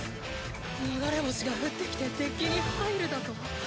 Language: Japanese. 流れ星が降ってきてデッキに入るだと！？